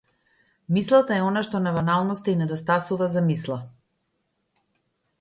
Мислата е она што на баналноста и недостасува за мисла.